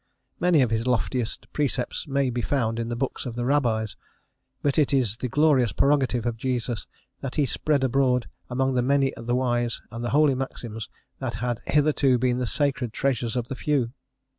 Many of his loftiest precepts may be found in the books of the Rabbis, but it is the glorious prerogative of Jesus that he spread abroad among the many the wise and holy maxims that had hitherto been the sacred treasures of the few.